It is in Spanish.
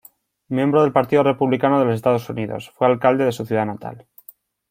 Miembro del Partido Republicano de los Estados Unidos, fue alcalde de su ciudad natal.